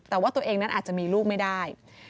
แต่ว่าตัวเองนั้นอาจจะมีลูกไม่ได้